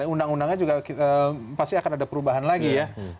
undang undangnya juga pasti akan ada perubahan lagi ya